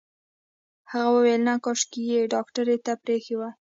هغې وويل نه کاشکې يې ډاکټر ته پرېښې وای.